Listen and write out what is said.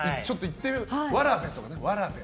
わらべ、とかね。